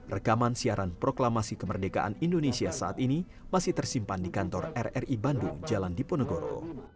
rekaman siaran proklamasi kemerdekaan indonesia saat ini masih tersimpan di kantor rri bandung jalan diponegoro